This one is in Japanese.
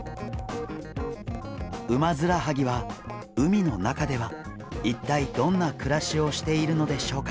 ウマヅラハギは海の中では一体どんな暮らしをしているのでしょうか？